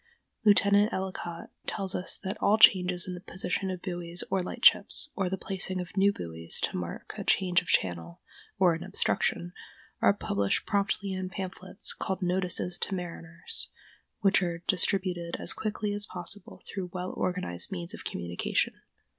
Lieutenant Ellicott tells us that all changes in the position of buoys or lightships, or the placing of new buoys to mark a change of channel, or an obstruction, are published promptly in pamphlets called "Notices to Mariners," which are distributed as quickly as possible through well organized means of communication.